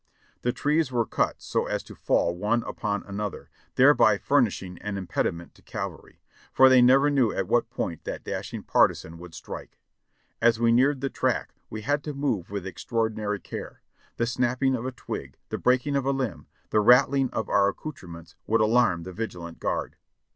The trees were cut so as to fall one upon another, thereby furnishing an impediment to cavalry, for they never knew at what point that dashing partisan would strike. As we neared the track we had to move with extraordinary care — the snapping of a twig, the breaking of a limb, the rattling of our accoutrements would alarm the vigilant guard.